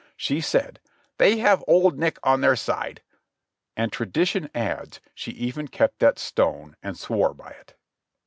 She said, "They have Old Nick on their side." and tra dition adds, she even kept that stone and swore by it.